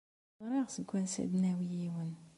Ẓriɣ seg wansi ara d-nawi yiwen.